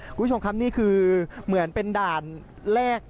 คุณผู้ชมครับนี่คือเหมือนเป็นด่านแรก